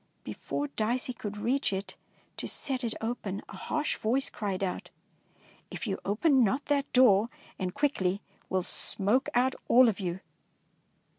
Before Dicey could reach it to set it open, a harsh voice cried out, — "If you open not that door and quickly, we 11 smoke out all of you!